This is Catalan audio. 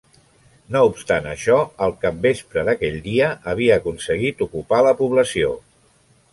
No obstant això, al capvespre d'aquell dia havia aconseguit ocupar la població.